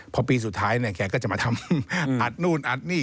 พอปีสุดท้ายเนี่ยแกก็จะมาทำอัดนู่นอัดนี่